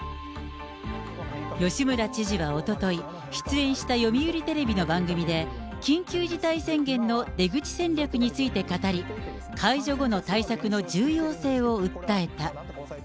吉村知事はおととい、出演した読売テレビの番組で、緊急事態宣言の出口戦略について語り、解除後の対策の重要性を訴えた。